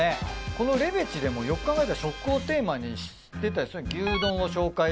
この「レベチ」でもよく考えたら食をテーマにしてたりする。